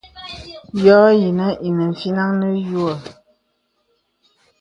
Yɔ̄ yìnə̀ inə fínaŋ nə̀ yùə̀ə̀.